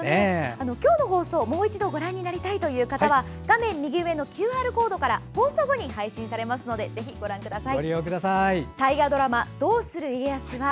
今日の放送、もう一度ご覧になりたいという方は画面右上のＱＲコードから放送後に配信されますのでぜひご覧ください。